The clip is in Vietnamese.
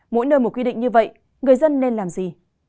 mỗi nơi một quy định như vậy người dân nên làm gì